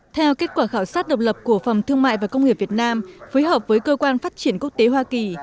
theo kết quả khảo sát độc lập của phòng thương mại và công nghiệp việt nam phối hợp với cơ quan phát triển quốc tế hoa kỳ